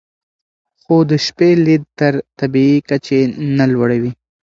خو د شپې لید تر طبیعي کچې نه لوړوي.